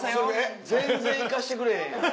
全然行かしてくれへん。